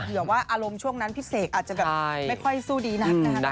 เผื่อว่าอารมณ์ช่วงนั้นพี่เสกอาจจะแบบไม่ค่อยสู้ดีนักนะครับ